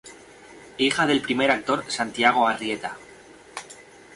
Hija del primer actor Santiago Arrieta.